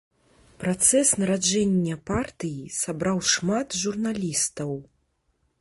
Працэс нараджэння партыі сабраў шмат журналістаў.